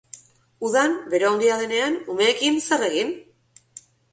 Udan, bero handia denean, umeekin zer egin?